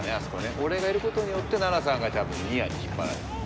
オレがいることによってナラさんが多分ニアに引っ張られたね。